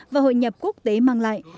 và hội nhập quốc tế mang lại